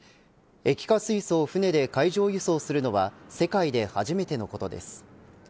液化水素を船で海上輸送するのは世界で初めてのことです。